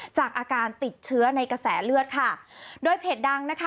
จากอาการติดเชื้อในกระแสเลือดค่ะโดยเพจดังนะคะ